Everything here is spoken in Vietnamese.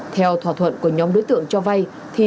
theo thỏa thuận của nhóm đối tượng cho vay